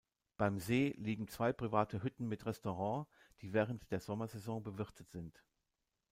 Beim See liegen zwei private Hütten mit Restaurant, die während der Sommersaison bewirtet sind.